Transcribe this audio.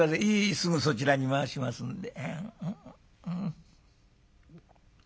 すぐそちらに回しますんで」。